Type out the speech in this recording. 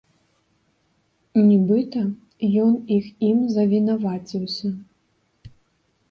Нібыта, ён іх ім завінаваціўся.